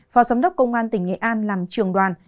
phó giám đốc công an tỉnh nghệ an làm trường đoàn